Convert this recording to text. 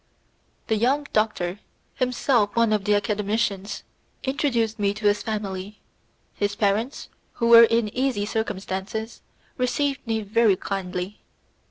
The young doctor, himself one of the academicians, introduced me to his family. His parents, who were in easy circumstances, received me very kindly.